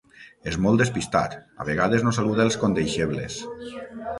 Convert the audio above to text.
És molt despistat: a vegades no saluda els condeixebles.